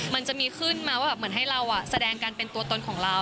มันจะมีขึ้นมาว่าเหมือนให้เราแสดงกันเป็นตัวตนของเรา